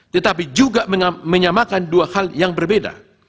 tetapi juga menyamakan dua hal yang berbeda